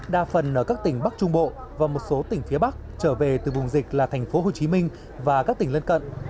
đa phần ở các tỉnh bắc trung bộ và một số tỉnh phía bắc trở về từ vùng dịch là thành phố hồ chí minh và các tỉnh lân cận